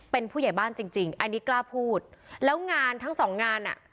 เป็นผู้ใหญ่บ้านจริงจริงอันนี้กล้าพูดแล้วงานทั้งสองงานอ่ะ